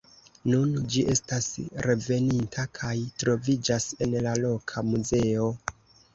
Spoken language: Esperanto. Nun ĝi estas reveninta kaj troviĝas en la loka muzeo.